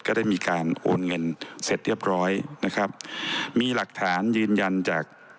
ก็ได้มีการโอนเงินเสร็จเรียบร้อยนะครับมีหลักฐานยืนยันจาก